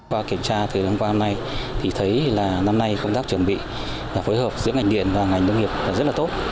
và kiểm tra từ năm qua hôm nay thì thấy là năm nay công tác chuẩn bị và phối hợp giữa ngành điện và ngành đồng nghiệp là rất là tốt